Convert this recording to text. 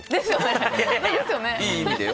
いい意味だよ。